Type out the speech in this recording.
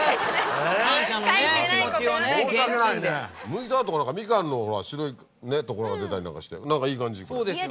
むいた後が何かみかんのほら白いところが出たりなんかして何かいい感じこれ。